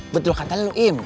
betul kan tani luim